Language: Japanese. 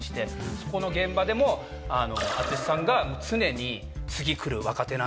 そこの現場でも淳さんが常に。